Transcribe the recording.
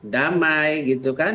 damai gitu kan